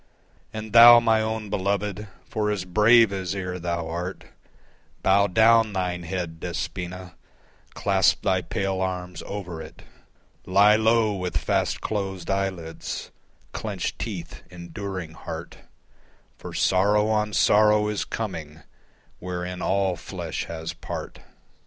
And Thou, my own beloved, for as brave as ere thou art, Bow down thine head, Despoina, clasp thy pale arms over it, Lie low with fast closed eyelids, clenched teeth, enduring heart, For sorrow on sorrow is coming wherein all flesh has part.